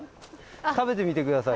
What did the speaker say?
食べてみて下さい。